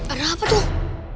ada apa tuh